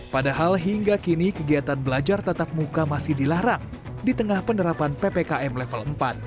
padahal hingga kini kegiatan belajar tatap muka masih dilarang di tengah penerapan ppkm level empat